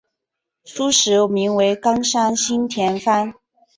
初时名为冈山新田藩。